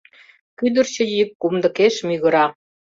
Кӱдырчӧ йӱк кумдыкеш мӱгыра.